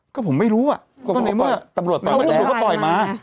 ก็ผมไม่รู้อะก็ในเมื่อตำรวจก็ปล่อยมา